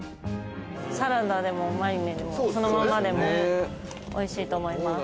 サラダでもマリネでもそのままでも、おいしいと思います。